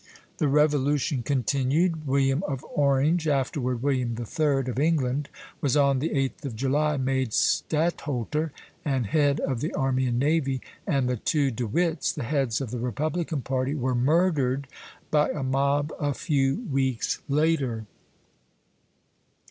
The revolution continued. William of Orange, afterward William III. of England, was on the 8th of July made stadtholder, and head of the army and navy; and the two De Witts, the heads of the republican party, were murdered by a mob a few weeks later.